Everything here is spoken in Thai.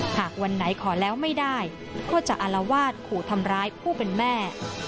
หากวันไหนขอแล้วไม่ได้ก็จะอารวาสขู่ทำร้ายผู้เป็นแม่